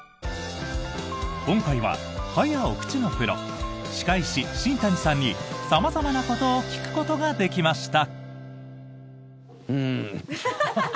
今回は、歯やお口のプロ歯科医師、新谷さんに様々なことを聞くことができました。